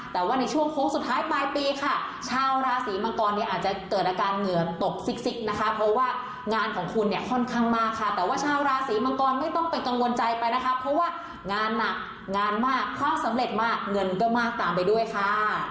แต่ว่าในช่วงโค้งสุดท้ายปลายปีค่ะชาวราศีมังกรเนี่ยอาจจะเกิดอาการเหงื่อตกซิกซิกนะคะเพราะว่างานของคุณเนี่ยค่อนข้างมากค่ะแต่ว่าชาวราศีมังกรไม่ต้องไปกังวลใจไปนะคะเพราะว่างานหนักงานมากความสำเร็จมากเงินก็มากตามไปด้วยค่ะ